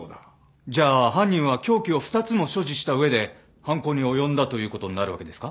じゃあ犯人は凶器を２つも所持した上で犯行に及んだという事になるわけですか？